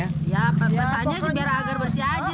ya biasanya sih biar agar bersih aja